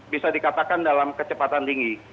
bisa dikatakan dalam kecepatan tinggi